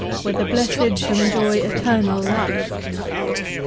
where the blessed shall enjoy eternal life."